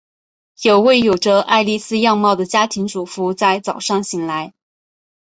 有位有着艾莉丝样貌的家庭主妇在早上醒来。